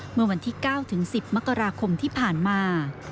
เมื่อวันที่๙ถึง๑๐มกราคมที่ผ่านมา